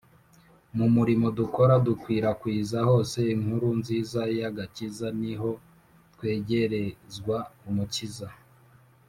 mu murimo dukora dukwirakwiza hose inkuru nziza y’agakiza ni ho twegerezwa umukiza